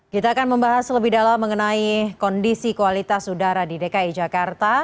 kita akan membahas lebih dalam mengenai kondisi kualitas udara di dki jakarta